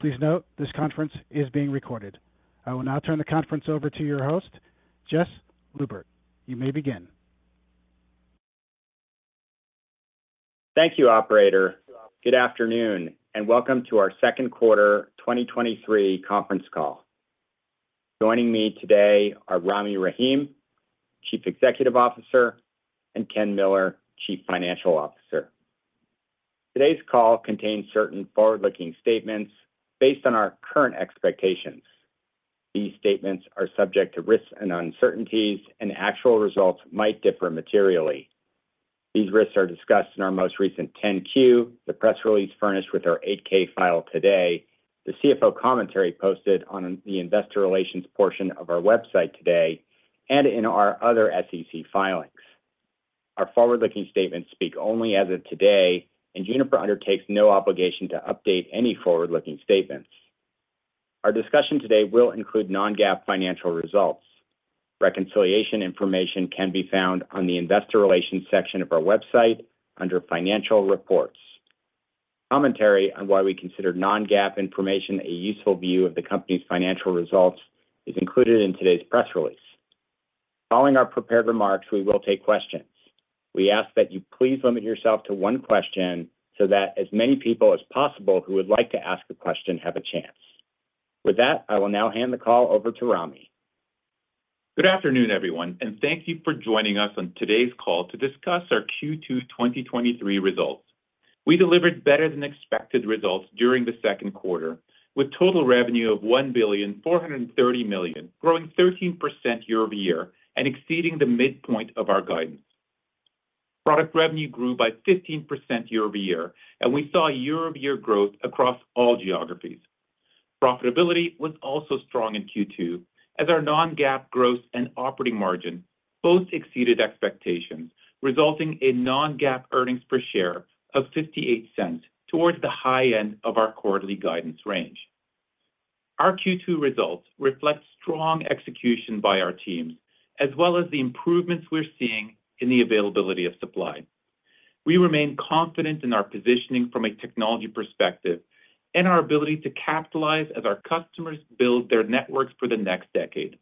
Please note, this conference is being recorded. I will now turn the conference over to your host, Jess Lubert. You may begin. Thank you, operator. Good afternoon, and welcome to our second quarter 2023 conference call. Joining me today are Rami Rahim, Chief Executive Officer, and Ken Miller, Chief Financial Officer. Today's call contains certain forward-looking statements based on our current expectations. These statements are subject to risks and uncertainties, and actual results might differ materially. These risks are discussed in our most recent 10-Q, the press release furnished with our 8-K file today, the CFO commentary posted on the investor relations portion of our website today, and in our other SEC filings. Our forward-looking statements speak only as of today, and Juniper undertakes no obligation to update any forward-looking statements. Our discussion today will include Non-GAAP financial results. Reconciliation information can be found on the investor relations section of our website under Financial Reports. Commentary on why we consider Non-GAAP information a useful view of the company's financial results is included in today's press release. Following our prepared remarks, we will take questions. We ask that you please limit yourself to one question so that as many people as possible who would like to ask a question have a chance. With that, I will now hand the call over to Rami. Good afternoon, everyone, and thank you for joining us on today's call to discuss our Q2 2023 results. We delivered better than expected results during the second quarter, with total revenue of $1.43 billion, growing 13% year-over-year and exceeding the midpoint of our guidance. Product revenue grew by 15% year-over-year, and we saw year-over-year growth across all geographies. Profitability was also strong in Q2, as our Non-GAAP growth and operating margin both exceeded expectations, resulting in Non-GAAP earnings per share of $0.58 towards the high end of our quarterly guidance range. Our Q2 results reflect strong execution by our teams, as well as the improvements we're seeing in the availability of supply. We remain confident in our positioning from a technology perspective and our ability to capitalize as our customers build their networks for the next decade,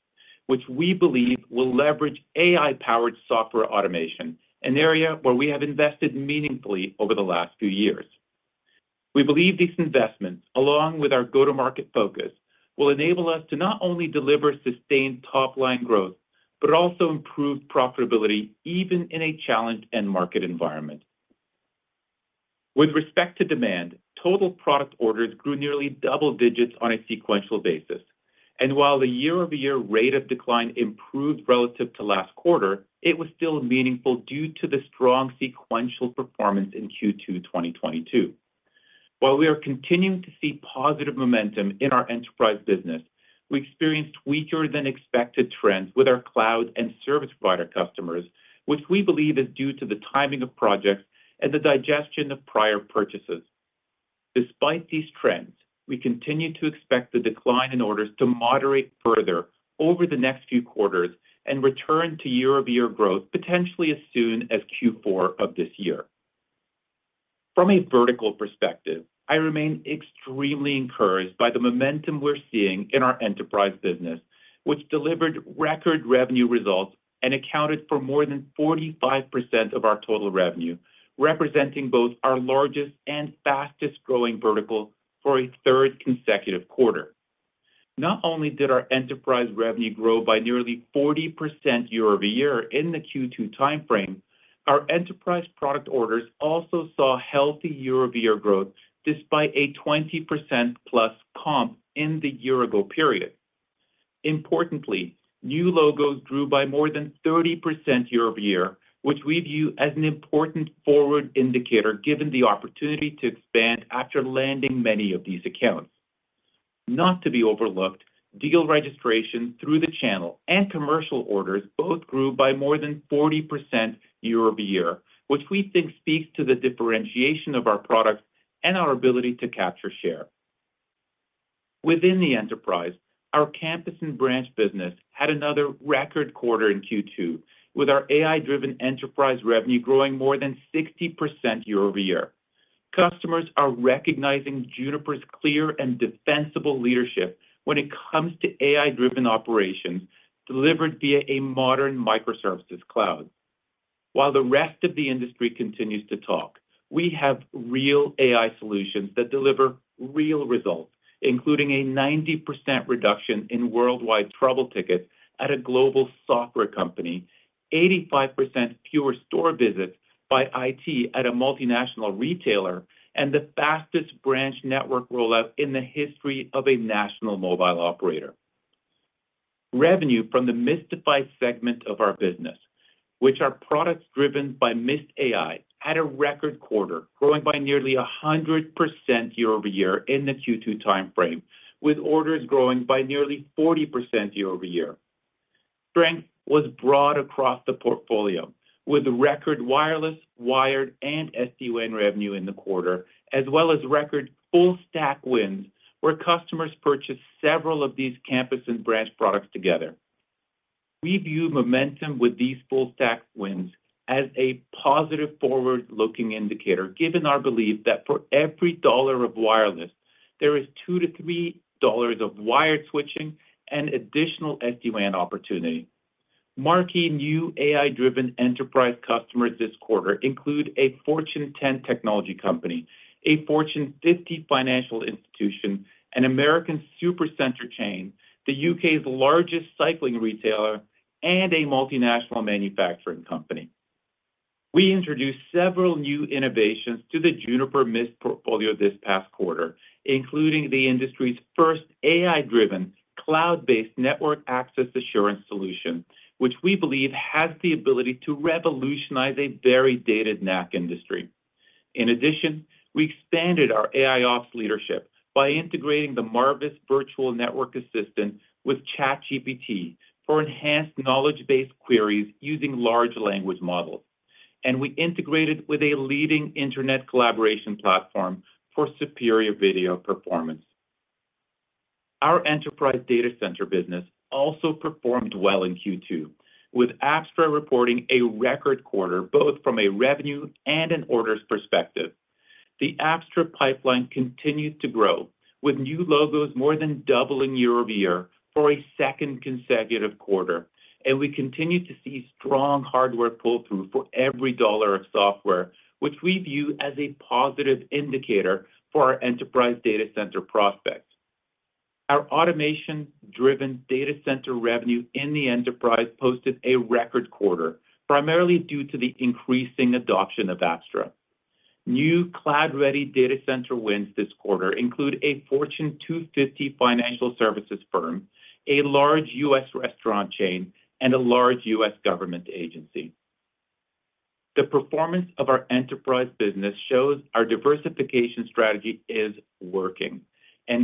which we believe will leverage AI-powered software automation, an area where we have invested meaningfully over the last few years. We believe these investments, along with our go-to-market focus, will enable us to not only deliver sustained top-line growth, but also improved profitability, even in a challenged end market environment. With respect to demand, total product orders grew nearly double digits on a sequential basis, and while the year-over-year rate of decline improved relative to last quarter, it was still meaningful due to the strong sequential performance in Q2 2022. While we are continuing to see positive momentum in our enterprise business, we experienced weaker than expected trends with our cloud and service provider customers, which we believe is due to the timing of projects and the digestion of prior purchases. Despite these trends, we continue to expect the decline in orders to moderate further over the next few quarters and return to year-over-year growth, potentially as soon as Q4 of this year. From a vertical perspective, I remain extremely encouraged by the momentum we're seeing in our enterprise business, which delivered record revenue results and accounted for more than 45% of our total revenue, representing both our largest and fastest-growing vertical for a third consecutive quarter. Not only did our enterprise revenue grow by nearly 40% year-over-year in the Q2 timeframe, our enterprise product orders also saw healthy year-over-year growth, despite a 20%+ comp in the year ago period. Importantly, new logos grew by more than 30% year-over-year, which we view as an important forward indicator, given the opportunity to expand after landing many of these accounts. Not to be overlooked, deal registration through the channel and commercial orders both grew by more than 40% year-over-year, which we think speaks to the differentiation of our products and our ability to capture share. Within the enterprise, our campus and branch business had another record quarter in Q2, with our AI-driven enterprise revenue growing more than 60% year-over-year. Customers are recognizing Juniper's clear and defensible leadership when it comes to AI-driven operations delivered via a modern microservices cloud. While the rest of the industry continues to talk, we have real AI solutions that deliver real results, including a 90% reduction in worldwide trouble tickets at a global software company, 85% fewer store visits by IT at a multinational retailer, and the fastest branch network rollout in the history of a national mobile operator. Revenue from the Mist device segment of our business, which are products driven by Mist AI, had a record quarter, growing by nearly 100% year-over-year in the Q2 timeframe, with orders growing by nearly 40% year-over-year. Strength was broad across the portfolio, with record wireless, wired, and SD-WAN revenue in the quarter, as well as record full stack wins, where customers purchased several of these campus and branch products together. We view momentum with these full stack wins as a positive forward-looking indicator, given our belief that for every dollar of wireless, there is $2-$3 of wired switching and additional SD-WAN opportunity. Marquee new AI-driven enterprise customers this quarter include a Fortune 10 technology company, a Fortune 50 financial institution, an American supercenter chain, the U.K.'s largest cycling retailer, and a multinational manufacturing company. We introduced several new innovations to the Juniper Mist portfolio this past quarter, including the industry's first AI-driven, cloud-based network access assurance solution, which we believe has the ability to revolutionize a very dated NAC industry. In addition, we expanded our AIOps leadership by integrating the Marvis Virtual Network Assistant with ChatGPT for enhanced knowledge-based queries using large language models. We integrated with a leading internet collaboration platform for superior video performance. Our enterprise data center business also performed well in Q2, with Apstra reporting a record quarter, both from a revenue and an orders perspective. The Apstra pipeline continues to grow, with new logos more than doubling year-over-year for a second consecutive quarter, and we continue to see strong hardware pull-through for every $1 of software, which we view as a positive indicator for our enterprise data center prospects. Our automation-driven data center revenue in the enterprise posted a record quarter, primarily due to the increasing adoption of Apstra. New Cloud-Ready Data Center wins this quarter include a Fortune 250 financial services firm, a large U.S. restaurant chain, and a large U.S. government agency. The performance of our enterprise business shows our diversification strategy is working.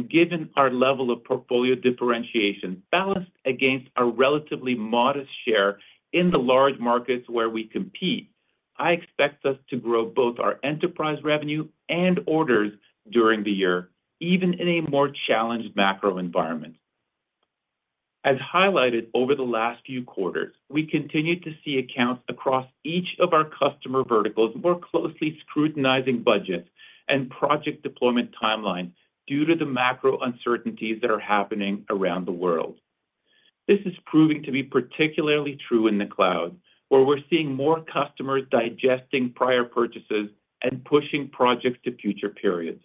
Given our level of portfolio differentiation, balanced against a relatively modest share in the large markets where we compete, I expect us to grow both our enterprise revenue and orders during the year, even in a more challenged macro environment. As highlighted over the last few quarters, we continue to see accounts across each of our customer verticals more closely scrutinizing budgets and project deployment timelines due to the macro uncertainties that are happening around the world. This is proving to be particularly true in the cloud, where we're seeing more customers digesting prior purchases and pushing projects to future periods.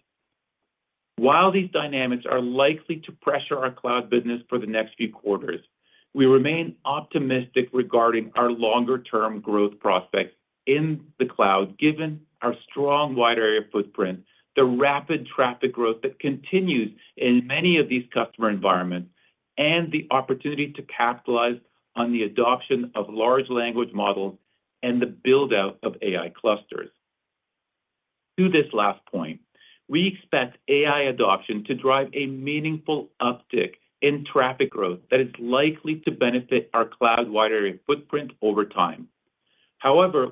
While these dynamics are likely to pressure our cloud business for the next few quarters, we remain optimistic regarding our longer-term growth prospects in the cloud, given our strong wide-area footprint, the rapid traffic growth that continues in many of these customer environments, and the opportunity to capitalize on the adoption of large language models and the build-out of AI clusters. To this last point, we expect AI adoption to drive a meaningful uptick in traffic growth that is likely to benefit our cloud wide-area footprint over time.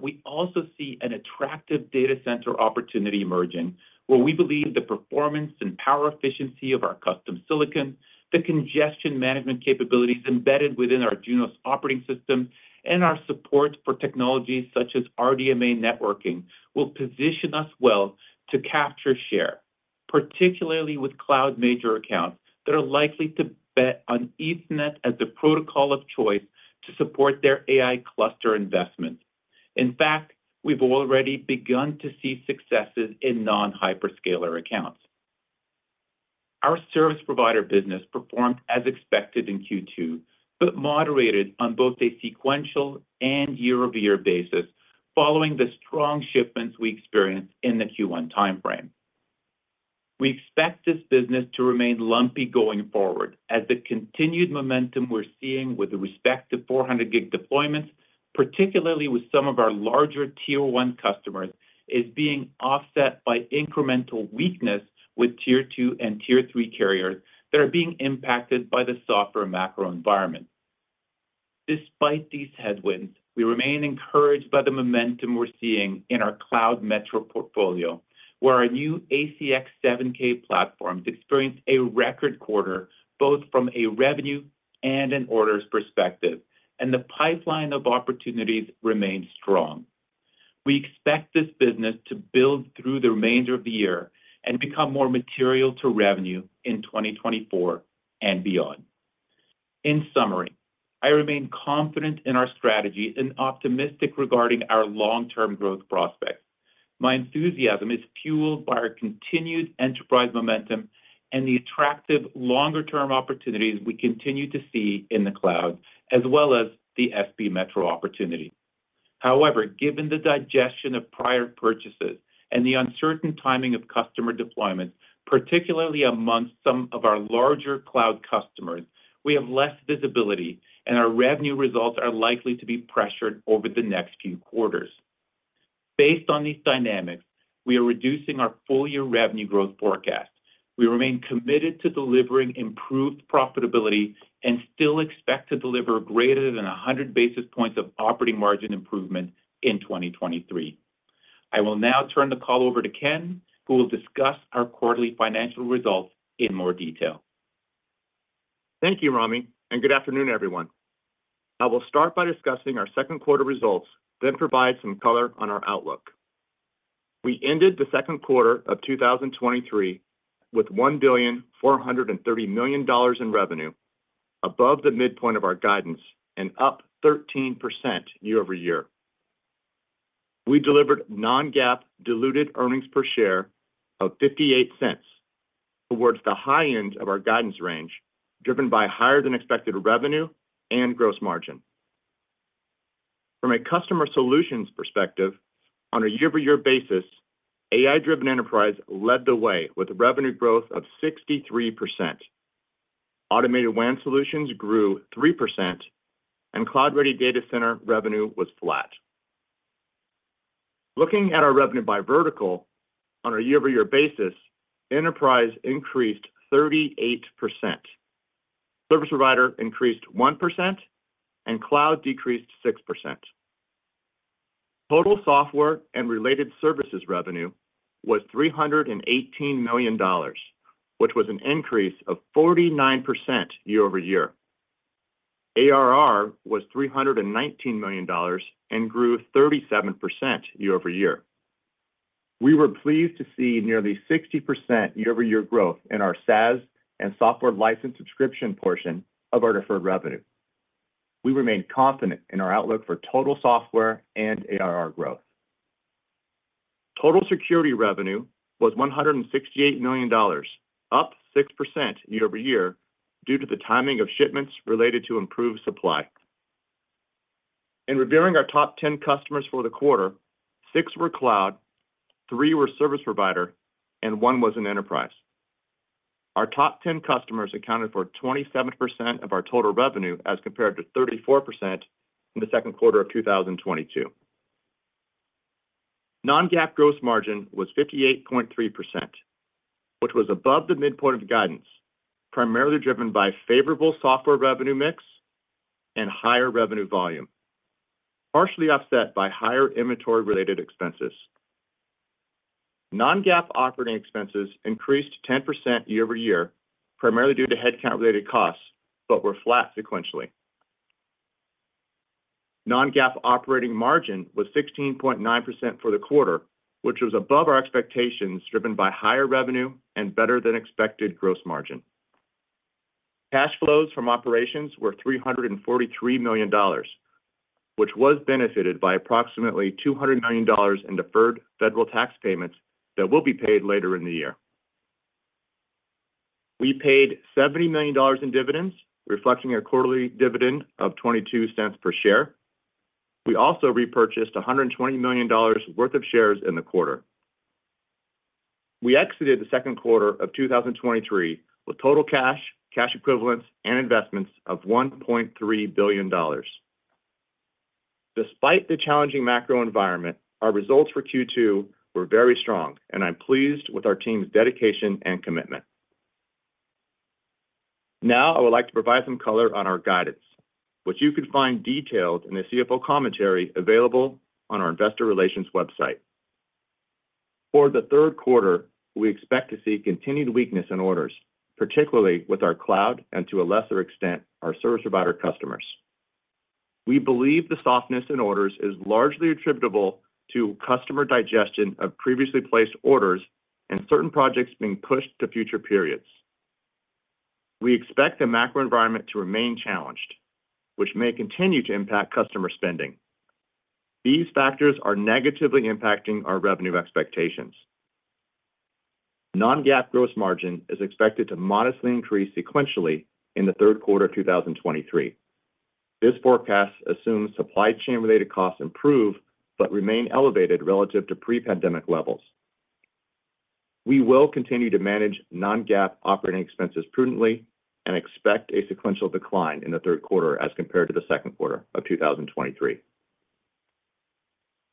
We also see an attractive data center opportunity emerging, where we believe the performance and power efficiency of our custom silicon, the congestion management capabilities embedded within our Junos operating system, and our support for technologies such as RDMA networking, will position us well to capture share, particularly with Cloud Major accounts that are likely to bet on Ethernet as the protocol of choice to support their AI cluster investments. In fact, we've already begun to see successes in non-hyperscaler accounts. Our service provider business performed as expected in Q2, but moderated on both a sequential and year-over-year basis following the strong shipments we experienced in the Q1 timeframe. We expect this business to remain lumpy going forward as the continued momentum we're seeing with respect to 400 Gig deployments, particularly with some of our larger Tier 1 customers, is being offset by incremental weakness with Tier 2 and Tier 3 carriers that are being impacted by the softer macro environment. Despite these headwinds, we remain encouraged by the momentum we're seeing in our Cloud Metro portfolio, where our new ACX7K platforms experienced a record quarter, both from a revenue and an orders perspective, and the pipeline of opportunities remains strong. We expect this business to build through the remainder of the year and become more material to revenue in 2024 and beyond. In summary, I remain confident in our strategy and optimistic regarding our long-term growth prospects. My enthusiasm is fueled by our continued enterprise momentum and the attractive longer-term opportunities we continue to see in the cloud, as well as the SP Metro opportunity. However, given the digestion of prior purchases and the uncertain timing of customer deployments, particularly amongst some of our larger cloud customers, we have less visibility, and our revenue results are likely to be pressured over the next few quarters. Based on these dynamics, we are reducing our full-year revenue growth forecast. We remain committed to delivering improved profitability and still expect to deliver greater than 100 basis points of operating margin improvement in 2023. I will now turn the call over to Ken, who will discuss our quarterly financial results in more detail. Thank you, Rami. Good afternoon, everyone. I will start by discussing our second quarter results, then provide some color on our outlook. We ended the second quarter of 2023 with $1,430 million in revenue, above the midpoint of our guidance and up 13% year-over-year. We delivered Non-GAAP diluted earnings per share of $0.58, towards the high end of our guidance range, driven by higher than expected revenue and gross margin. From a customer solutions perspective, on a year-over-year basis, AI-driven enterprise led the way with revenue growth of 63%. Automated WAN Solutions grew 3%, and Cloud-Ready Data Center revenue was flat. Looking at our revenue by vertical on a year-over-year basis, enterprise increased 38%. Service provider increased 1%, and cloud decreased 6%. Total software and related services revenue was $318 million, which was an increase of 49% year-over-year. ARR was $319 million and grew 37% year-over-year. We were pleased to see nearly 60% year-over-year growth in our SaaS and software license subscription portion of our deferred revenue. We remain confident in our outlook for total software and ARR growth. Total security revenue was $168 million, up 6% year-over-year due to the timing of shipments related to improved supply. In reviewing our top 10 customers for the quarter, six were cloud, three were service provider, and one was an enterprise. Our top 10 customers accounted for 27% of our total revenue, as compared to 34% in the second quarter of 2022. Non-GAAP gross margin was 58.3%, which was above the midpoint of guidance, primarily driven by favorable software revenue mix and higher revenue volume, partially offset by higher inventory-related expenses. Non-GAAP operating expenses increased 10% year-over-year, primarily due to headcount-related costs, but were flat sequentially. Non-GAAP operating margin was 16.9% for the quarter, which was above our expectations, driven by higher revenue and better than expected gross margin. Cash flows from operations were $343 million, which was benefited by approximately $200 million in deferred federal tax payments that will be paid later in the year. We paid $70 million in dividends, reflecting our quarterly dividend of $0.22 per share. We also repurchased $120 million worth of shares in the quarter. We exited the second quarter of 2023 with total cash, cash equivalents, and investments of $1.3 billion. Despite the challenging macro environment, our results for Q2 were very strong, and I'm pleased with our team's dedication and commitment. Now, I would like to provide some color on our guidance, which you can find detailed in the CFO commentary available on our investor relations website. For the third quarter, we expect to see continued weakness in orders, particularly with our cloud and, to a lesser extent, our service provider customers. We believe the softness in orders is largely attributable to customer digestion of previously placed orders and certain projects being pushed to future periods. We expect the macro environment to remain challenged, which may continue to impact customer spending. These factors are negatively impacting our revenue expectations. Non-GAAP gross margin is expected to modestly increase sequentially in the third quarter of 2023. This forecast assumes supply chain-related costs improve but remain elevated relative to pre-pandemic levels. We will continue to manage Non-GAAP operating expenses prudently and expect a sequential decline in the third quarter as compared to the second quarter of 2023.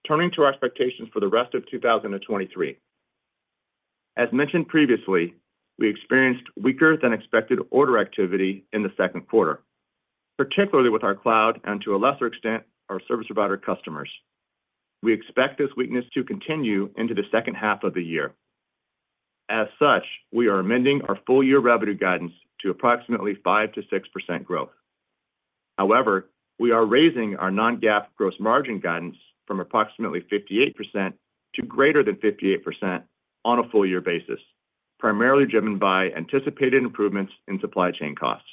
Turning to our expectations for the rest of 2023. As mentioned previously, we experienced weaker than expected order activity in the second quarter, particularly with our cloud and to a lesser extent, our service provider customers. We expect this weakness to continue into the second half of the year. As such, we are amending our full year revenue guidance to approximately 5%-6% growth. We are raising our Non-GAAP gross margin guidance from approximately 58% to greater than 58% on a full year basis, primarily driven by anticipated improvements in supply chain costs.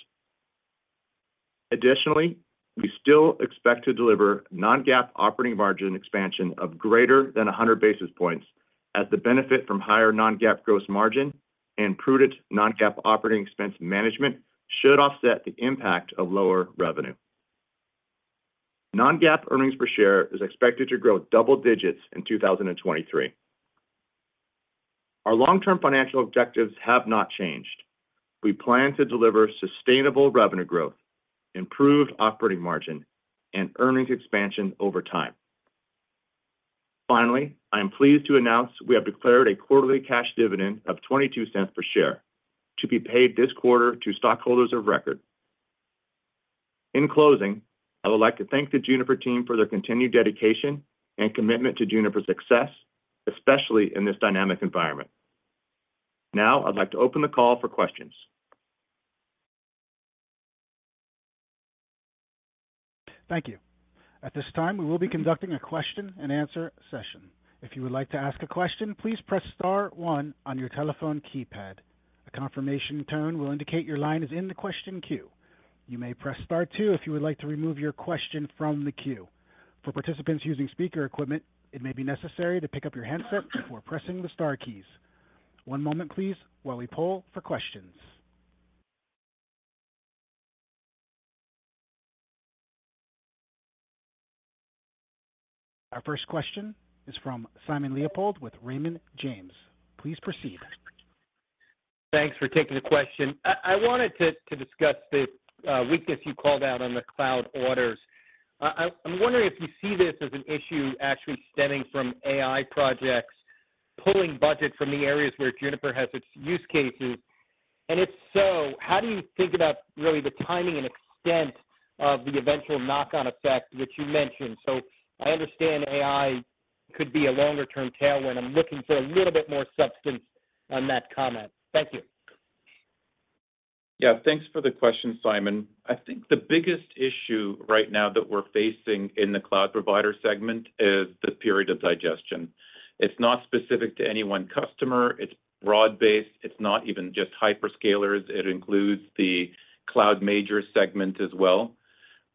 We still expect to deliver Non-GAAP operating margin expansion of greater than 100 basis points as the benefit from higher Non-GAAP gross margin and prudent Non-GAAP operating expense management should offset the impact of lower revenue. Non-GAAP earnings per share is expected to grow double digits in 2023. Our long-term financial objectives have not changed. We plan to deliver sustainable revenue growth, improved operating margin, and earnings expansion over time. I am pleased to announce we have declared a quarterly cash dividend of $0.22 per share to be paid this quarter to stockholders of record. In closing, I would like to thank the Juniper team for their continued dedication and commitment to Juniper's success, especially in this dynamic environment. Now, I'd like to open the call for questions. Thank you. At this time, we will be conducting a question-and-answer session. If you would like to ask a question, please press star one on your telephone keypad. A confirmation tone will indicate your line is in the question queue. You may press star two if you would like to remove your question from the queue. For participants using speaker equipment, it may be necessary to pick up your handset before pressing the star keys. One moment, please, while we poll for questions. Our first question is from Simon Leopold with Raymond James. Please proceed. Thanks for taking the question. I, I wanted to, to discuss the weakness you called out on the cloud orders. I, I'm wondering if you see this as an issue actually stemming from AI projects, pulling budget from the areas where Juniper has its use cases. If so, how do you think about really the timing and extent of the eventual knock-on effect that you mentioned? I understand AI could be a longer-term tailwind. I'm looking for a little bit more substance on that comment. Thank you. Yeah, thanks for the question, Simon. I think the biggest issue right now that we're facing in the cloud provider segment is the period of digestion. It's not specific to any one customer. It's broad-based. It's not even just hyperscalers. It includes the Cloud Major segment as well.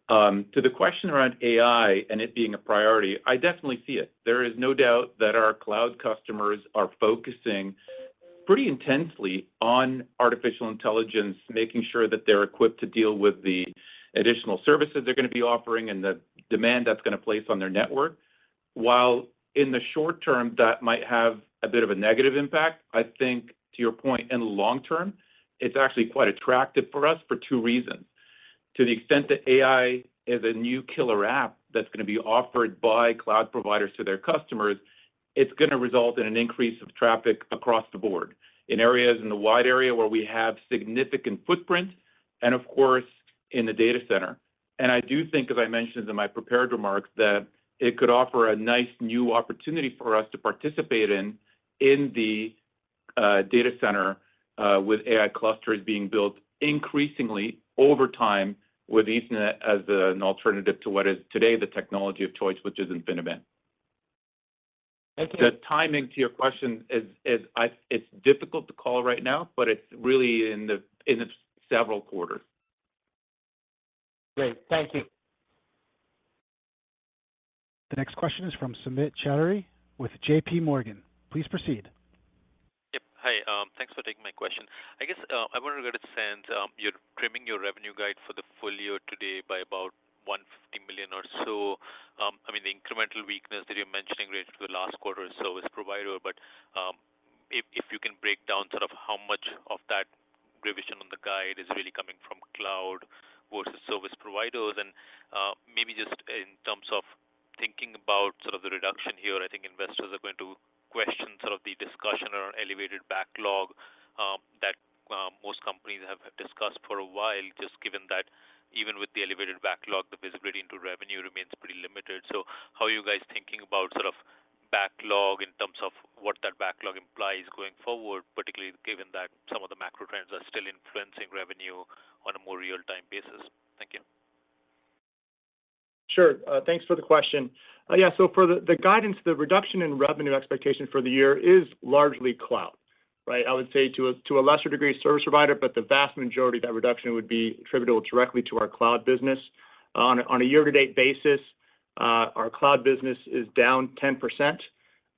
To the question around AI and it being a priority, I definitely see it. There is no doubt that our cloud customers are focusing pretty intensely on artificial intelligence, making sure that they're equipped to deal with the additional services they're going to be offering and the demand that's going to place on their network. While in the short term, that might have a bit of a negative impact, I think to your point, in the long term, it's actually quite attractive for us for two reasons. To the extent that AI is a new killer app that's going to be offered by cloud providers to their customers, it's going to result in an increase of traffic across the board, in areas in the wide area where we have significant footprint, and of course, in the data center. I do think, as I mentioned in my prepared remarks, that it could offer a nice new opportunity for us to participate in, in the data center, with AI clusters being built increasingly over time with Ethernet as an alternative to what is today the technology of choice, which is InfiniBand. Thank you. The timing to your question is, it's difficult to call right now, but it's really in the, in the several quarters. Great. Thank you. The next question is from Samik Chatterjee with J.P. Morgan. Please proceed. Yep. Hi, thanks for taking my question. I guess, I wanted to understand, you're trimming your revenue guide for the full year today by about $150 million or so. I mean, the incremental weakness that you're mentioning related to the last quarter is service provider, but, if, if you can break down sort of how much of that revision on the guide is really coming from cloud versus service providers. Maybe just in terms of thinking about sort of the reduction here, I think investors are going to question sort of the discussion around elevated backlog, that, most companies have discussed for a while, just given that even with the elevated backlog, the visibility into revenue remains pretty limited. How are you guys thinking about sort of backlog in terms of what that backlog implies going forward, particularly given that some of the macro trends are still influencing revenue on a more real-time basis? Thank you. Sure. Thanks for the question. Yeah, so for the, the guidance, the reduction in revenue expectation for the year is largely cloud, right? I would say to a, to a lesser degree, service provider, but the vast majority of that reduction would be attributable directly to our cloud business. On a year-to-date basis, our cloud business is down 10%.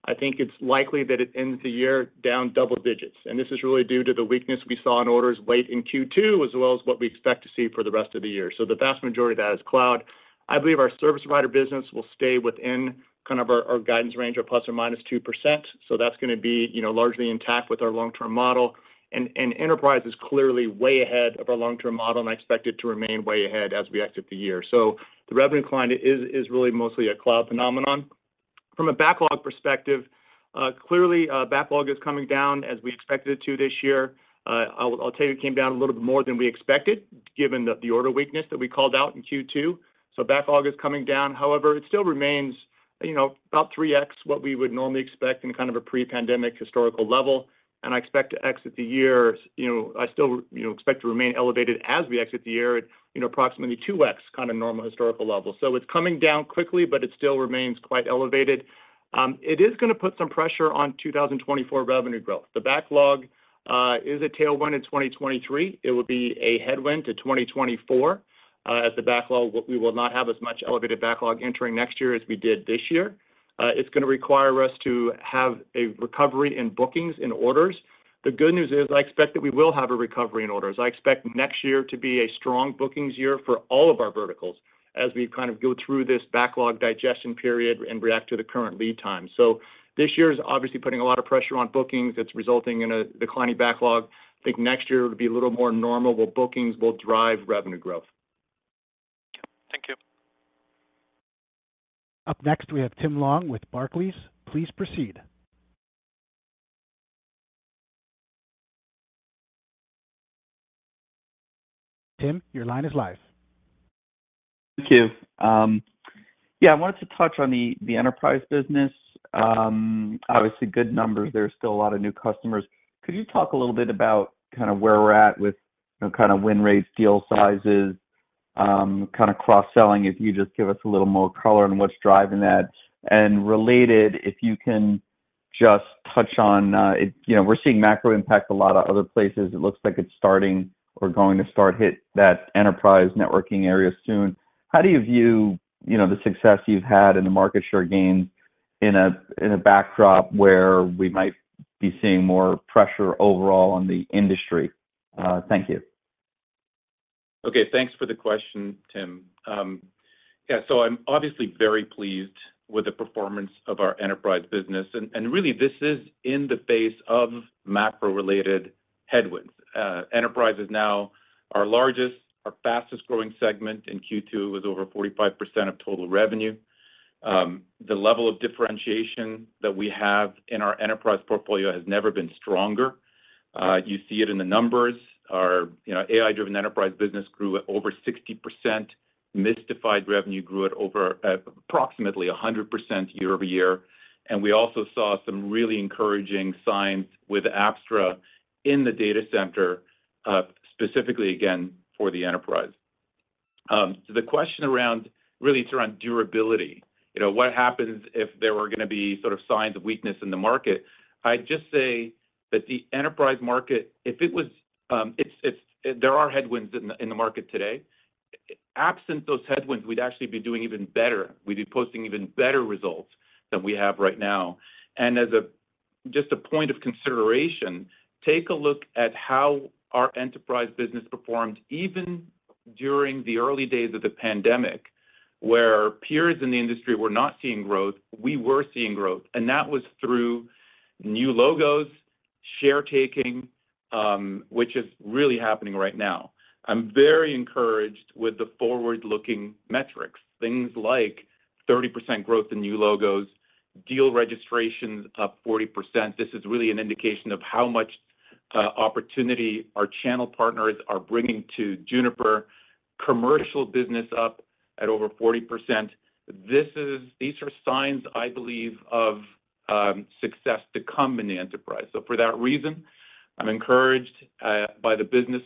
I think it's likely that it ends the year down double digits, and this is really due to the weakness we saw in orders late in Q2, as well as what we expect to see for the rest of the year. The vast majority of that is cloud. I believe our service provider business will stay within kind of our, our guidance range of ±2%. That's going to be, you know, largely intact with our long-term model. Enterprise is clearly way ahead of our long-term model, and I expect it to remain way ahead as we exit the year. The revenue decline is, is really mostly a cloud phenomenon. From a backlog perspective, clearly, backlog is coming down as we expected it to this year. I'll, I'll tell you, it came down a little bit more than we expected, given the, the order weakness that we called out in Q2. Backlog is coming down. However, it still remains, you know, about 3x what we would normally expect in kind of a pre-pandemic historical level, and I expect to exit the year... You know, I still, you know, expect to remain elevated as we exit the year at, you know, approximately 2x kind of normal historical level. It's coming down quickly, but it still remains quite elevated. It is going to put some pressure on 2024 revenue growth. The backlog is a tailwind in 2023. It will be a headwind to 2024, as the backlog, we will not have as much elevated backlog entering next year as we did this year. It's going to require us to have a recovery in bookings and orders. The good news is, I expect that we will have a recovery in orders. I expect next year to be a strong bookings year for all of our verticals as we kind of go through this backlog digestion period and react to the current lead time. This year is obviously putting a lot of pressure on bookings. It's resulting in a declining backlog. I think next year will be a little more normal, where bookings will drive revenue growth. Thank you. Up next, we have Tim Long with Barclays. Please proceed.... Tim, your line is live. Thank you. Yeah, I wanted to touch on the, the enterprise business. Obviously good numbers. There are still a lot of new customers. Could you talk a little bit about kind of where we're at with, you know, kind of win rates, deal sizes, kind of cross-selling, if you just give us a little more color on what's driving that. And related, if you can just touch on, it, you know, we're seeing macro impact a lot of other places. It looks like it's starting or going to start hit that enterprise networking area soon. How do you view, you know, the success you've had in the market share gain in a, in a backdrop where we might be seeing more pressure overall on the industry? Thank you. Okay, thanks for the question, Tim. Yeah, I'm obviously very pleased with the performance of our enterprise business, and, and really, this is in the face of macro-related headwinds. Enterprise is now our largest, our fastest growing segment in Q2, with over 45% of total revenue. The level of differentiation that we have in our enterprise portfolio has never been stronger. You see it in the numbers. Our, you know, AI-driven enterprise business grew at over 60%. Mistified revenue grew at over, at approximately 100% year-over-year. We also saw some really encouraging signs with Apstra in the data center, specifically again, for the enterprise. The question around, really it's around durability. You know, what happens if there were going to be sort of signs of weakness in the market? I'd just say that the enterprise market, if it was, It's, there are headwinds in the market today. Absent those headwinds, we'd actually be doing even better. We'd be posting even better results than we have right now. As a, just a point of consideration, take a look at how our enterprise business performed even during the early days of the pandemic, where peers in the industry were not seeing growth, we were seeing growth, and that was through new logos, share taking, which is really happening right now. I'm very encouraged with the forward-looking metrics, things like 30% growth in new logos, deal registrations up 40%. This is really an indication of how much opportunity our channel partners are bringing to Juniper. Commercial business up at over 40%. These are signs, I believe, of success to come in the enterprise. For that reason, I'm encouraged by the business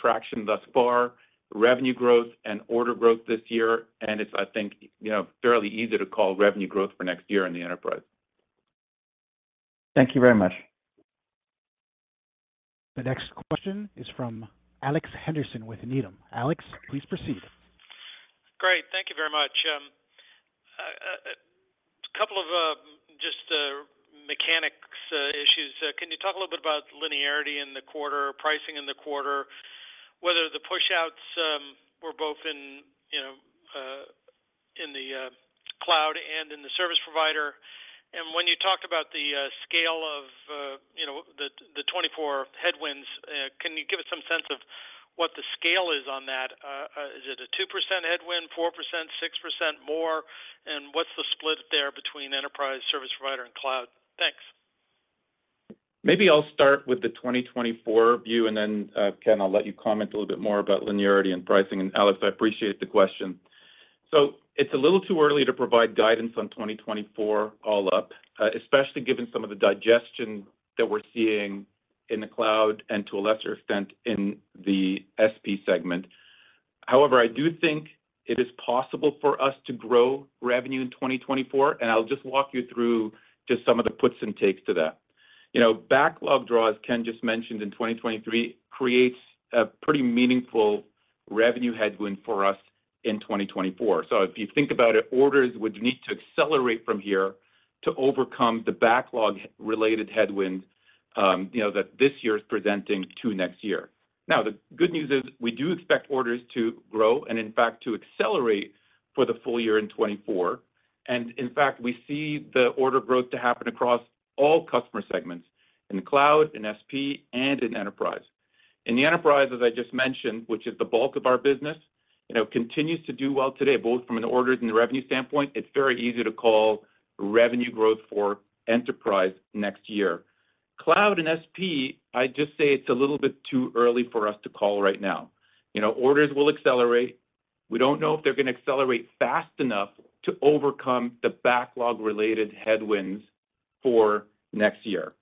traction thus far, revenue growth and order growth this year. It's, I think, you know, fairly easy to call revenue growth for next year in the enterprise. Thank you very much. The next question is from Alex Henderson with Needham. Alex, please proceed. Great. Thank you very much. A couple of just mechanics issues. Can you talk a little bit about linearity in the quarter, pricing in the quarter, whether the pushouts were both in, you know, in the cloud and in the service provider? When you talked about the scale of, you know, the 2024 headwinds, can you give us some sense of what the scale is on that? Is it a 2% headwind, 4%, 6% more? What's the split there between enterprise, service provider, and cloud? Thanks. Maybe I'll start with the 2024 view, and then, Ken, I'll let you comment a little bit more about linearity and pricing. Alex, I appreciate the question. It's a little too early to provide guidance on 2024 all up, especially given some of the digestion that we're seeing in the cloud and to a lesser extent, in the SP segment. However, I do think it is possible for us to grow revenue in 2024, and I'll just walk you through just some of the puts and takes to that. You know, backlog draw, as Ken just mentioned, in 2023, creates a pretty meaningful revenue headwind for us in 2024. If you think about it, orders would need to accelerate from here to overcome the backlog-related headwinds, you know, that this year is presenting to next year. The good news is, we do expect orders to grow and in fact, to accelerate for the full year in 2024. In fact, we see the order growth to happen across all customer segments, in the cloud, in SP, and in enterprise. In the enterprise, as I just mentioned, which is the bulk of our business, you know, continues to do well today, both from an orders and a revenue standpoint. It's very easy to call revenue growth for enterprise next year. Cloud and SP, I'd just say it's a little bit too early for us to call right now. You know, orders will accelerate. We don't know if they're going to accelerate fast enough to overcome the backlog-related headwinds for next year.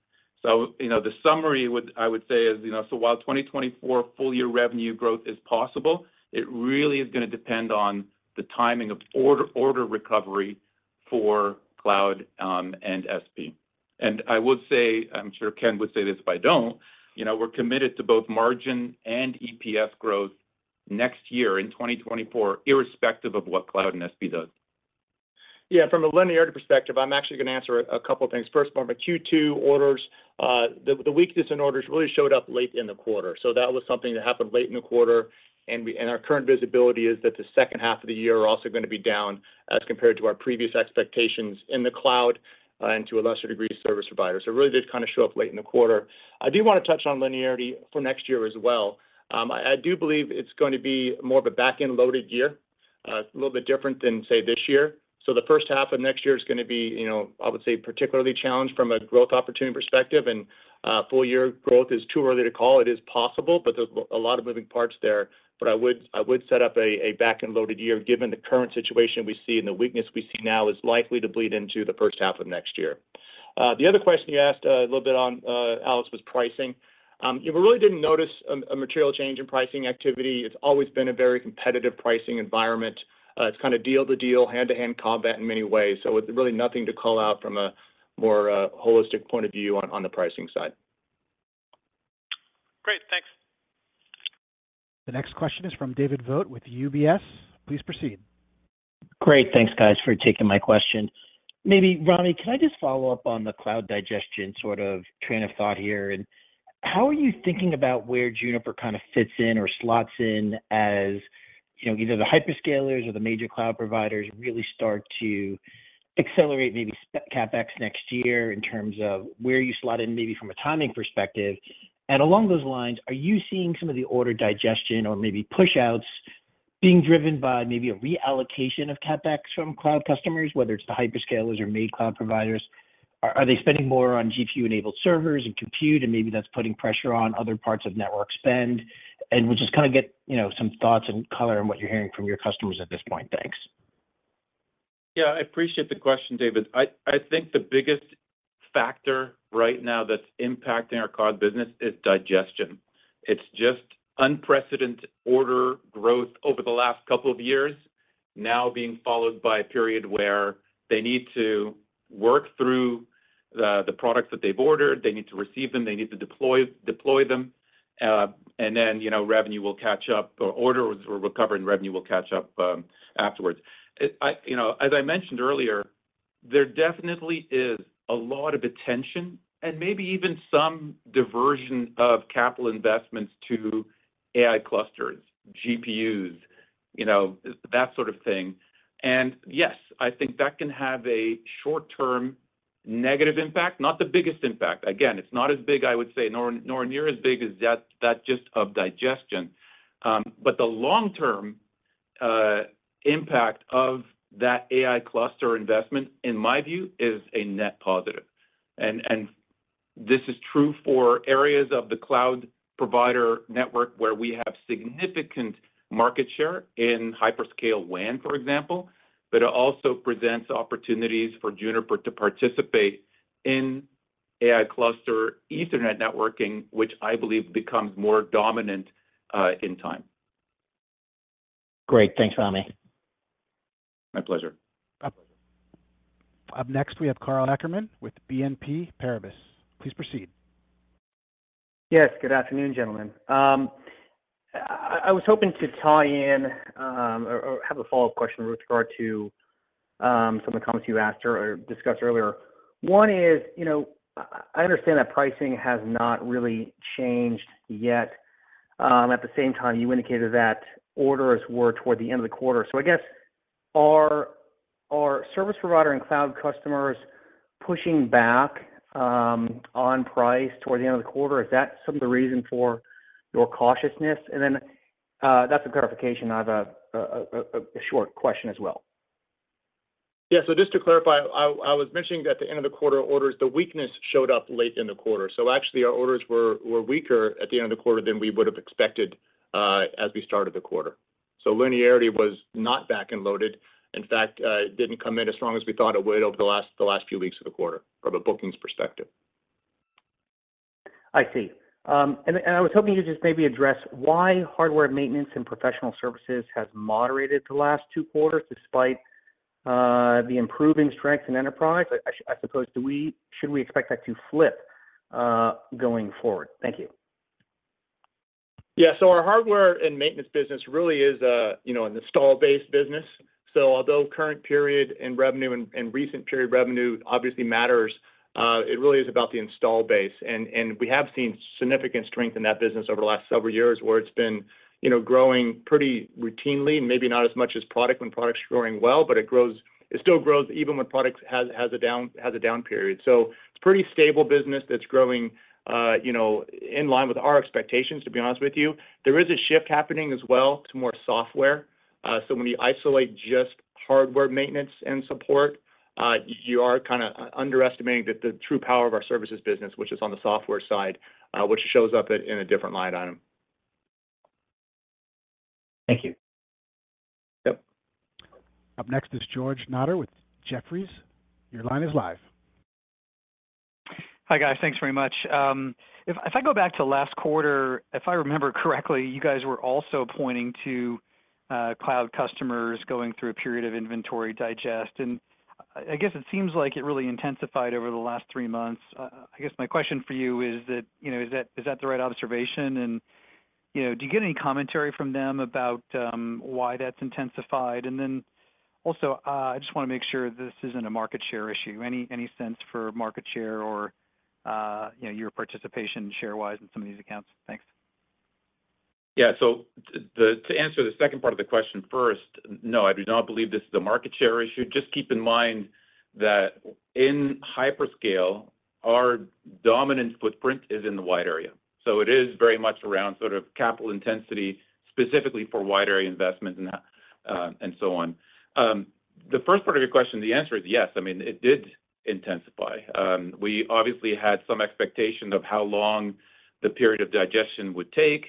You know, the summary I would say is, you know, so while 2024 full year revenue growth is possible, it really is going to depend on the timing of order, order recovery for cloud and SP. I would say, I'm sure Ken would say this if I don't, you know, we're committed to both margin and EPS growth next year in 2024, irrespective of what cloud and SP does. Yeah, from a linearity perspective, I'm actually going to answer a couple of things. First one, Q2 orders, the weakness in orders really showed up late in the quarter. That was something that happened late in the quarter, and we, and our current visibility is that the second half of the year are also going to be down as compared to our previous expectations in the cloud, and to a lesser degree, service providers. It really did kind of show up late in the quarter. I do want to touch on linearity for next year as well. I do believe it's going to be more of a back-end loaded year. A little bit different than, say, this year. The first half of next year is going to be, you know, I would say, particularly challenged from a growth opportunity perspective. Full year growth is too early to call. It is possible, there's a lot of moving parts there. I would, I would set up a, a back-end loaded year, given the current situation we see and the weakness we see now is likely to bleed into the first half of next year. The other question you asked a, a little bit on, Alex, was pricing. We really didn't notice a material change in pricing activity. It's always been a very competitive pricing environment. It's kind of deal to deal, hand-to-hand combat in many ways. It's really nothing to call out from a more holistic point of view on the pricing side. Great, thanks. The next question is from David Vogt with UBS. Please proceed. Great. Thanks, guys, for taking my question. Maybe, Rami, can I just follow up on the cloud digestion sort of train of thought here? How are you thinking about where Juniper kind of fits in or slots in as, you know, either the hyperscalers or the major cloud providers really start to accelerate maybe CapEx next year in terms of where you slot in, maybe from a timing perspective? Along those lines, are you seeing some of the order digestion or maybe push-outs being driven by maybe a reallocation of CapEx from cloud customers, whether it's the hyperscalers or made cloud providers? Are they spending more on GPU-enabled servers and compute, and maybe that's putting pressure on other parts of network spend? We'll just kind of get, you know, some thoughts and color on what you're hearing from your customers at this point. Thanks. Yeah, I appreciate the question, David. I think the biggest factor right now that's impacting our cloud business is digestion. It's just unprecedented order growth over the last couple of years now being followed by a period where they need to work through the products that they've ordered, they need to receive them, they need to deploy them, and then, you know, revenue will catch up or orders will recover, and revenue will catch up afterwards. I, you know, as I mentioned earlier, there definitely is a lot of attention and maybe even some diversion of capital investments to AI clusters, GPUs, you know, that sort of thing. Yes, I think that can have a short-term negative impact, not the biggest impact. Again, it's not as big, I would say, nor near as big as that just of digestion. The long-term impact of that AI cluster investment, in my view, is a net positive. This is true for areas of the cloud provider network, where we have significant market share in hyperscale WAN, for example, but it also presents opportunities for Juniper to participate in AI cluster Ethernet networking, which I believe becomes more dominant in time. Great. Thanks, Rami. My pleasure. Up next, we have Karl Ackerman with BNP Paribas. Please proceed. Yes, good afternoon, gentlemen. I, I was hoping to tie in, or, or have a follow-up question with regard to, some of the comments you asked or, or discussed earlier. One is, you know, I, I understand that pricing has not really changed yet. At the same time, you indicated that orders were toward the end of the quarter. I guess, are, are service provider and cloud customers pushing back, on price toward the end of the quarter? Is that some of the reason for your cautiousness? Then, that's a clarification. I have a, a, a, a short question as well. Yeah. Just to clarify, I, I was mentioning that at the end of the quarter, orders-- the weakness showed up late in the quarter. Actually, our orders were, were weaker at the end of the quarter than we would have expected, as we started the quarter. Linearity was not back and loaded. In fact, it didn't come in as strong as we thought it would over the last, the last few weeks of the quarter, from a bookings perspective. I see. I was hoping you'd just maybe address why hardware maintenance and professional services has moderated the last two quarters, despite the improving strength in enterprise. Should we expect that to flip going forward? Thank you. Yeah. Our hardware and maintenance business really is a, you know, an install-based business. Although current period and revenue and, and recent period revenue obviously matters, it really is about the install base. We have seen significant strength in that business over the last several years, where it's been, you know, growing pretty routinely, maybe not as much as product when product is growing well, but it still grows even when product has a down period. It's pretty stable business that's growing, you know, in line with our expectations, to be honest with you. There is a shift happening as well to more software. When you isolate just hardware maintenance and support, you are kind of underestimating the, the true power of our services business, which is on the software side, which shows up at, in a different line item. Thank you. Yep. Up next is George Notter with Jefferies. Your line is live. Hi, guys. Thanks very much. If, if I go back to last quarter, if I remember correctly, you guys were also pointing to cloud customers going through a period of inventory digest, and I, I guess it seems like it really intensified over the last three months. I guess my question for you is that, you know, is that, is that the right observation? You know, do you get any commentary from them about why that's intensified? Then also, I just want to make sure this isn't a market share issue. Any, any sense for market share or, you know, your participation share-wise in some of these accounts? Thanks. Yeah. To answer the second part of the question first, no, I do not believe this is a market share issue. Just keep in mind that in hyperscale, our dominant footprint is in the wide area, it is very much around sort of capital intensity, specifically for wide area investment and, and so on. The first part of your question, the answer is yes. I mean, it did intensify. We obviously had some expectations of how long the period of digestion would take,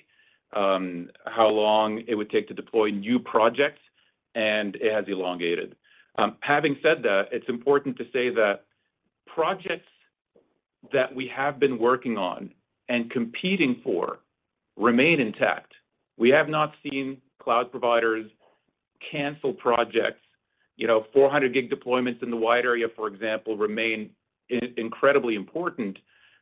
how long it would take to deploy new projects, and it has elongated. Having said that, it's important to say that projects that we have been working on and competing for remain intact. We have not seen cloud providers cancel projects. You know, 400 Gig deployments in the wide area, for example, remain incredibly important,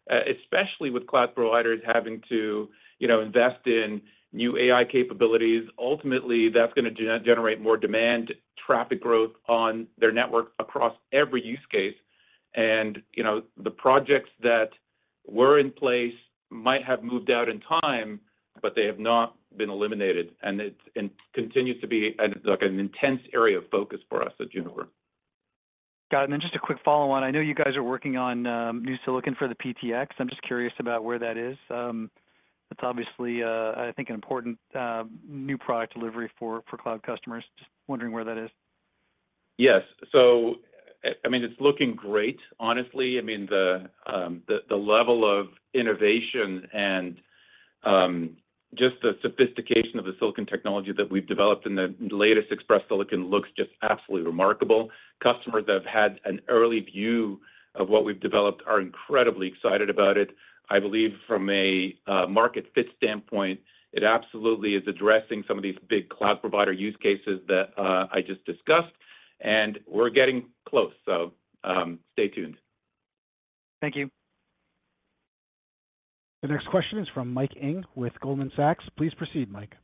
especially with cloud providers having to, you know, invest in new AI capabilities. Ultimately, that's gonna generate more demand, traffic growth on their network across every use case. You know, the projects that were in place might have moved out in time, but they have not been eliminated, and it's it continues to be an, like, an intense area of focus for us at Juniper. Got it. Then just a quick follow-on. I know you guys are working on, new silicon for the PTX. I'm just curious about where that is. That's obviously, I think an important, new product delivery for, for cloud customers. Just wondering where that is. Yes. I mean, it's looking great, honestly. I mean, the, the level of innovation and just the sophistication of the silicon technology that we've developed in the latest Express Silicon looks just absolutely remarkable. Customers that have had an early view of what we've developed are incredibly excited about it. I believe from a market fit standpoint, it absolutely is addressing some of these big cloud provider use cases that I just discussed, and we're getting close, stay tuned. Thank you. The next question is from Michael Ng with Goldman Sachs. Please proceed, Mike.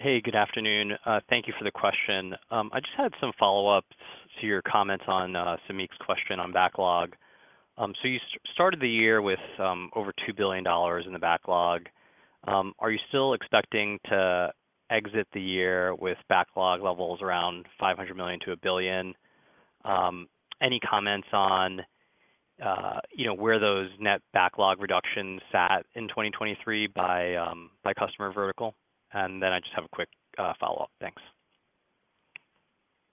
Hey, good afternoon. Thank you for the question. I just had some follow-ups to your comments on Samik's question on backlog. You started the year with over $2 billion in the backlog. Are you still expecting to exit the year with backlog levels around $500 million to $1 billion? Any comments on, you know, where those net backlog reductions sat in 2023 by customer vertical? I just have a quick follow-up. Thanks.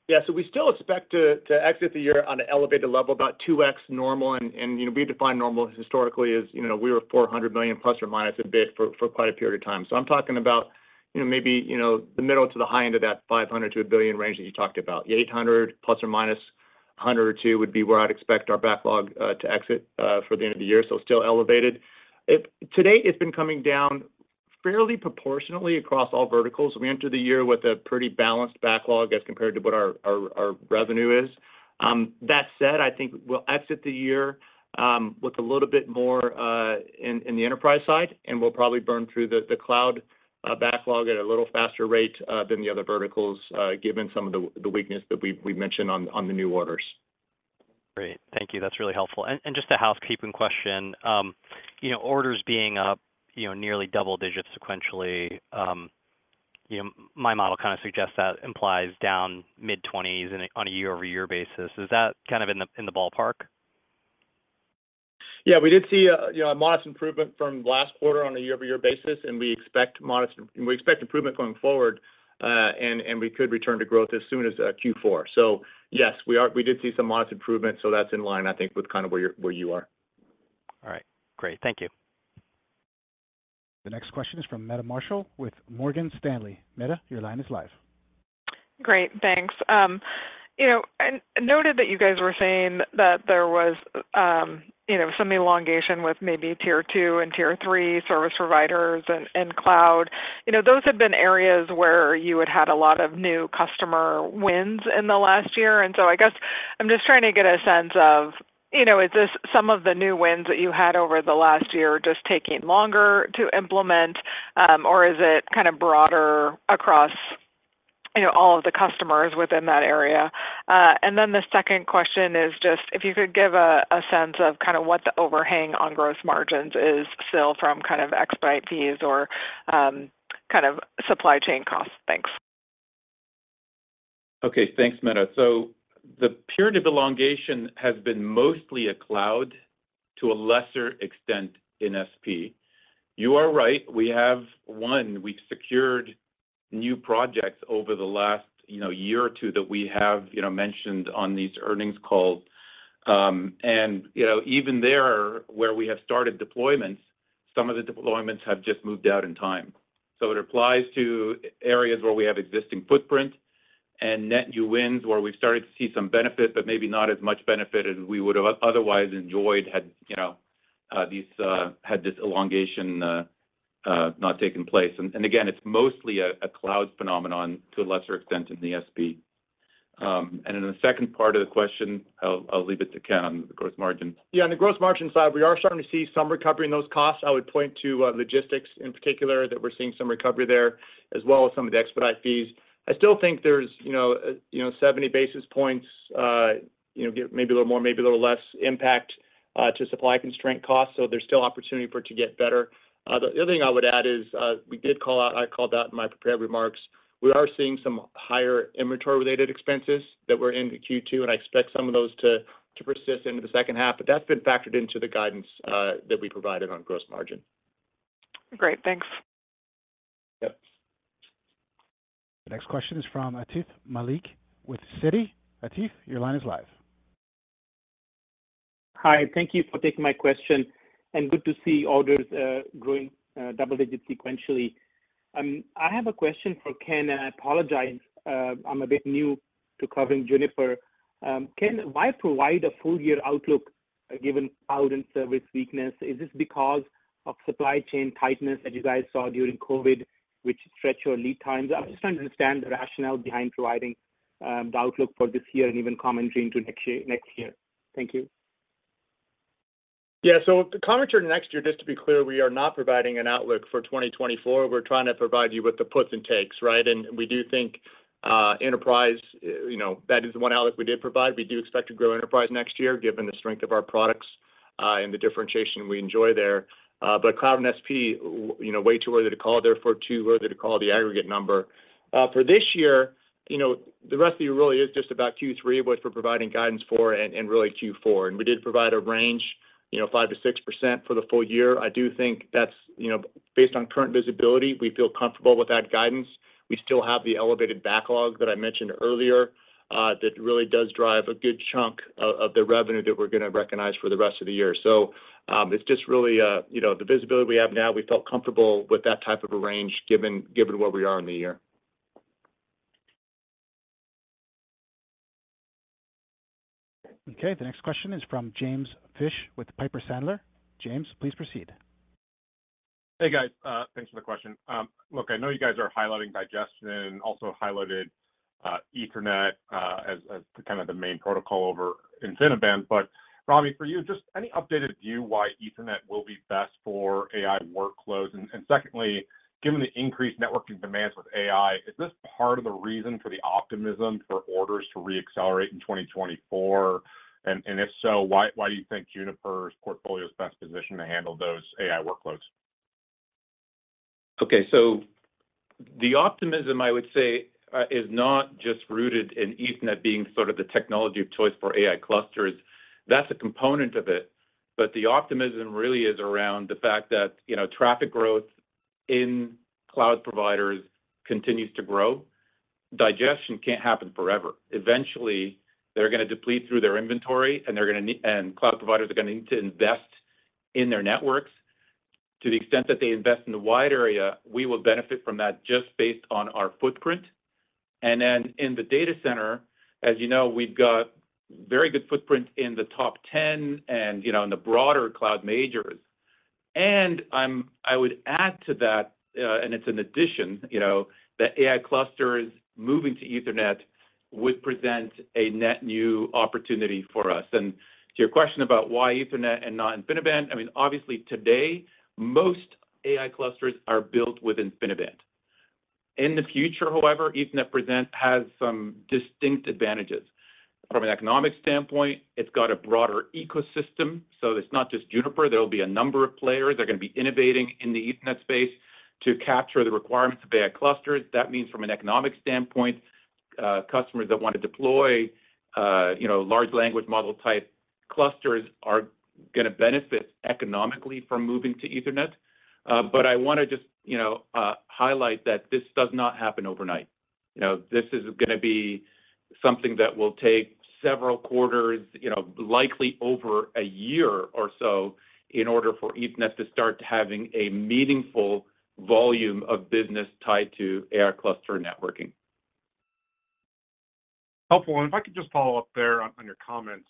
Yeah, we still expect to exit the year on an elevated level, about 2x normal. You know, we define normal historically as, you know, we were $400± million a bit, for quite a period of time. I'm talking about, you know, maybe, you know, the middle to the high end of that $500 million-$1 billion range that you talked about. $800 million, ±$100 million or $200 million, would be where I'd expect our backlog to exit for the end of the year, still elevated. To date, it's been coming down fairly proportionately across all verticals. We entered the year with a pretty balanced backlog as compared to what our revenue is. That said, I think we'll exit the year with a little bit more in, in the enterprise side, and we'll probably burn through the, the cloud backlog at a little faster rate than the other verticals, given some of the, the weakness that we've, we've mentioned on, on the new orders. Great. Thank you. That's really helpful. And, and just a housekeeping question, you know, orders being up, you know, nearly double-digits sequentially, you know, my model kind of suggests that implies down mid-20s on a, on a year-over-year basis. Is that kind of in the, in the ballpark? Yeah, we did see a, you know, a modest improvement from last quarter on a year-over-year basis, and we expect improvement going forward, and, and we could return to growth as soon as Q4. Yes, we did see some modest improvements, so that's in line, I think, with kind of where you're, where you are. All right. Great. Thank you. The next question is from Meta Marshall with Morgan Stanley. Meta, your line is live. Great, thanks. You know, noted that you guys were saying that there was, you know, some elongation with maybe tier two and tier three service providers and, and cloud. You know, those have been areas where you had, had a lot of new customer wins in the last year. I guess I'm just trying to get a sense of, you know, is this some of the new wins that you had over the last year just taking longer to implement, or is it kind of broader across, you know, all of the customers within that area? Then the second question is just if you could give a sense of kind of what the overhang on gross margins is still from kind of expedite fees or, kind of supply chain costs. Thanks. Okay, thanks, Meta. The period of elongation has been mostly a cloud, to a lesser extent in SP. You are right, we have we've secured new projects over the last, you know, year or two that we have, you know, mentioned on these earnings calls. You know, even there, where we have started deployments, some of the deployments have just moved out in time. It applies to areas where we have existing footprint and net new wins, where we've started to see some benefit, but maybe not as much benefit as we would have otherwise enjoyed had, you know, these had this elongation not taken place. Again, it's mostly a, a cloud phenomenon, to a lesser extent in the SP. Then the second part of the question, I'll, I'll leave it to Ken on the gross margin. Yeah, on the gross margin side, we are starting to see some recovery in those costs. I would point to, logistics in particular, that we're seeing some recovery there, as well as some of the expedite fees. I still think there's, you know, you know, 70 basis points, you know, maybe a little more, maybe a little less impact, to supply constraint costs, so there's still opportunity for it to get better. The other thing I would add is, I called out in my prepared remarks, we are seeing some higher inventory-related expenses that were into Q2, and I expect some of those to, to persist into the second half. That's been factored into the guidance, that we provided on gross margin. Great. Thanks. Yep. The next question is from Atif Malik with Citi. Atif, your line is live. Hi, thank you for taking my question, and good to see orders, growing, double digits sequentially. I have a question for Ken, and I apologize, I'm a bit new to covering Juniper. Ken, why provide a full year outlook given cloud and service weakness? Is this because of supply chain tightness that you guys saw during COVID, which stretched your lead times? I'm just trying to understand the rationale behind providing, the outlook for this year and even commentary into next year, next year. Thank you. Yeah. The commentary next year, just to be clear, we are not providing an outlook for 2024. We're trying to provide you with the puts and takes, right? We do think enterprise, you know, that is the one outlook we did provide. We do expect to grow enterprise next year, given the strength of our products, and the differentiation we enjoy there. Cloud and SP, you know, way too early to call, therefore, too early to call the aggregate number. For this year, you know, the rest of you really is just about Q3, which we're providing guidance for, and really Q4. We did provide a range, you know, 5%-6% for the full year. I do think that's. You know, based on current visibility, we feel comfortable with that guidance. We still have the elevated backlog that I mentioned earlier, that really does drive a good chunk of, of the revenue that we're going to recognize for the rest of the year. It's just really, you know, the visibility we have now, we felt comfortable with that type of a range, given, given where we are in the year. Okay, the next question is from James Fish with Piper Sandler. James, please proceed. Hey, guys. Thanks for the question. Look, I know you guys are highlighting digestion, also highlighted, Ethernet, as, as kind of the main protocol over InfiniBand. Rami, for you, just any updated view why Ethernet will be best for AI workloads? Secondly, given the increased networking demands with AI, is this part of the reason for the optimism for orders to re-accelerate in 2024? If so, why, why do you think Juniper's portfolio is best positioned to handle those AI workloads? Okay, the optimism, I would say, is not just rooted in Ethernet being sort of the technology of choice for AI clusters. That's a component of it, but the optimism really is around the fact that traffic growth in cloud providers continues to grow. Digestion can't happen forever. Eventually, they're going to deplete through their inventory, and cloud providers are going to need to invest in their networks. To the extent that they invest in the wide area, we will benefit from that just based on our footprint. Then in the data center, as you know, we've got very good footprint in the top 10 and, you know, in the broader Cloud Majors. I would add to that, and it's an addition, you know, that AI clusters moving to Ethernet would present a net new opportunity for us. To your question about why Ethernet and not InfiniBand, I mean, obviously today, most AI clusters are built with InfiniBand. In the future, however, Ethernet present has some distinct advantages. From an economic standpoint, it's got a broader ecosystem, so it's not just Juniper. There will be a number of players. They're going to be innovating in the Ethernet space to capture the requirements of AI clusters. That means from an economic standpoint, customers that want to deploy, you know, large language model type clusters are going to benefit economically from moving to Ethernet. But I want to just, you know, highlight that this does not happen overnight. You know, this is going to be something that will take several quarters, you know, likely over a year or so, in order for Ethernet to start having a meaningful volume of business tied to AI cluster networking. Helpful. If I could just follow up there on, on your comments.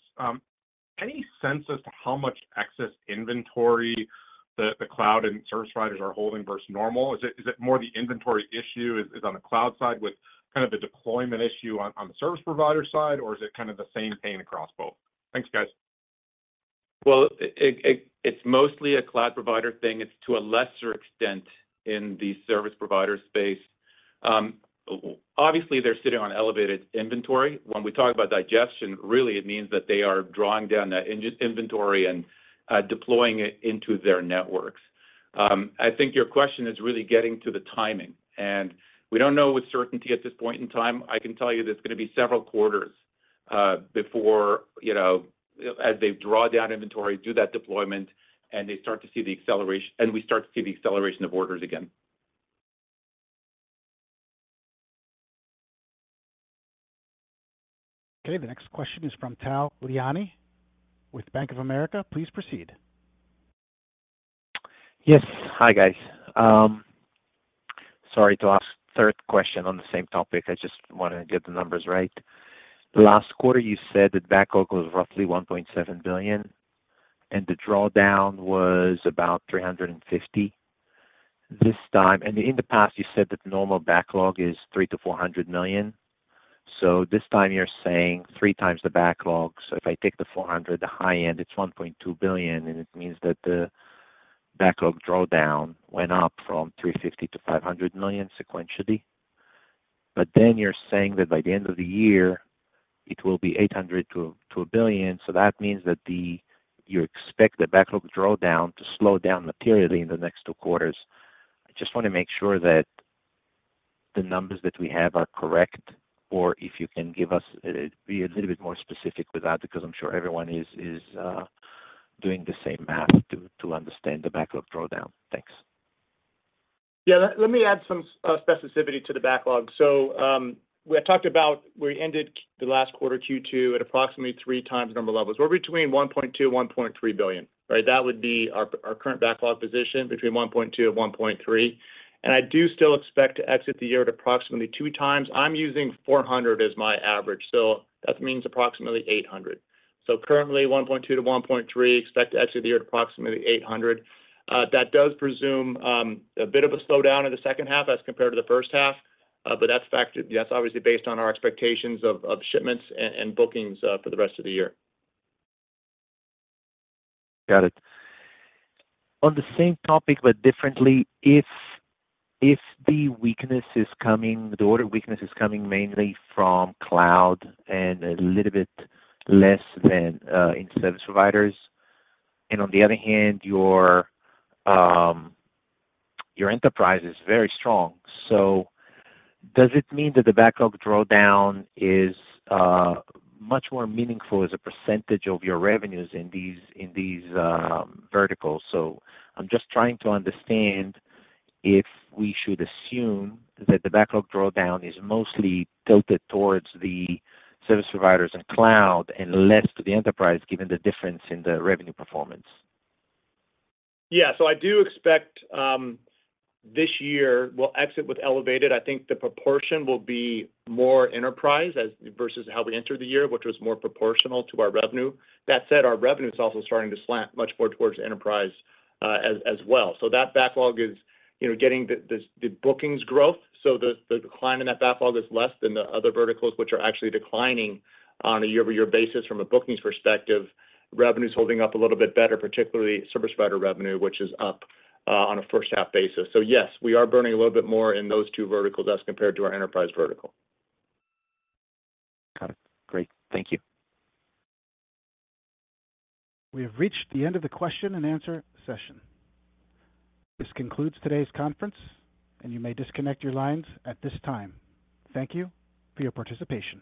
Any sense as to how much excess inventory the, the cloud and service providers are holding versus normal? Is it, is it more the inventory issue is, is on the cloud side with kind of the deployment issue on, on the service provider side, or is it kind of the same pain across both? Thanks, guys. Well, it's mostly a cloud provider thing. It's to a lesser extent in the service provider space. Obviously, they're sitting on elevated inventory. When we talk about digestion, really it means that they are drawing down that in-inventory and deploying it into their networks. I think your question is really getting to the timing, and we don't know with certainty at this point in time. I can tell you that it's going to be several quarters before, you know, as they draw down inventory, do that deployment, and they start to see the acceleration and we start to see the acceleration of orders again. Okay, the next question is from Tal Liani with Bank of America. Please proceed. Yes. Hi, guys. Sorry to ask third question on the same topic. I just want to get the numbers right. Last quarter, you said that backlog was roughly $1.7 billion, and the drawdown was about $350 million. This time, and in the past, you said that the normal backlog is $300 million-$400 million. This time you're saying three times the backlog. If I take the 400, the high end, it's $1.2 billion, and it means that the backlog drawdown went up from $350 million to $500 million sequentially. You're saying that by the end of the year, it will be $800 million to $1 billion. That means that you expect the backlog drawdown to slow down materially in the next two quarters. I just want to make sure that. The numbers that we have are correct, or if you can give us, be a little bit more specific with that, because I'm sure everyone is doing the same math to understand the backlog drawdown. Thanks. Yeah, let, let me add some specificity to the backlog. We had talked about we ended the last quarter, Q2, at approximately 3 times the number levels. We're between $1.2 billion, $1.3 billion, right? That would be our current backlog position, between $1.2 billion and $1.3 billion. I do still expect to exit the year at approximately two times. I'm using $400 million as my average, so that means approximately $800 million. Currently, $1.2 billion-$1.3 billion, expect to exit the year at approximately $800 million. That does presume a bit of a slowdown in the second half as compared to the first half, but that's obviously based on our expectations of shipments and bookings for the rest of the year. Got it. On the same topic, but differently, if the weakness is coming, the order weakness is coming mainly from cloud and a little bit less than in service providers, and on the other hand, your enterprise is very strong. Does it mean that the backlog drawdown is much more meaningful as a percentage of your revenues in these verticals? I'm just trying to understand if we should assume that the backlog drawdown is mostly tilted towards the service providers and cloud, and less to the enterprise, given the difference in the revenue performance. Yeah. I do expect, this year, we'll exit with elevated. I think the proportion will be more enterprise as versus how we entered the year, which was more proportional to our revenue. That said, our revenue is also starting to slant much more towards enterprise, as well. That backlog is, you know, getting the, the, the bookings growth, so the, the decline in that backlog is less than the other verticals, which are actually declining on a year-over-year basis from a bookings perspective. Revenue's holding up a little bit better, particularly service provider revenue, which is up on a first half basis. Yes, we are burning a little bit more in those two verticals as compared to our enterprise vertical. Got it. Great. Thank you. We have reached the end of the question-and-answer session. This concludes today's conference, and you may disconnect your lines at this time. Thank you for your participation.